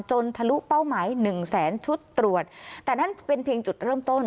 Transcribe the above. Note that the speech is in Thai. ทะลุเป้าหมายหนึ่งแสนชุดตรวจแต่นั่นเป็นเพียงจุดเริ่มต้น